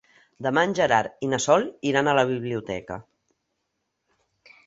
Demà en Gerard i na Sol iran a la biblioteca.